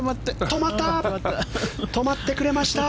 止まってくれました！